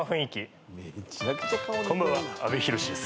こんばんは阿部寛です。